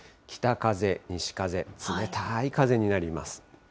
北風、西風、冷たい風になります。